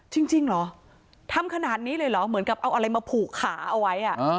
จริงเหรอทำขนาดนี้เลยเหรอเหมือนกับเอาอะไรมาผูกขาเอาไว้